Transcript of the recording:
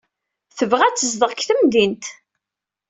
Tebɣa ad tezdeɣ deg temdint.